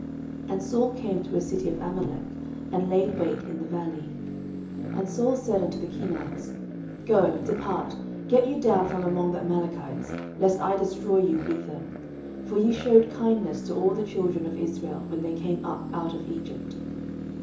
09:015:005 And Saul came to a city of Amalek, and laid wait in the valley. 09:015:006 And Saul said unto the Kenites, Go, depart, get you down from among the Amalekites, lest I destroy you with them: for ye shewed kindness to all the children of Israel, when they came up out of Egypt.